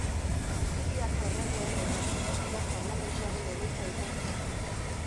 Siziliako erregeen eta Siziliar Parlamentuaren egoitza izan zen.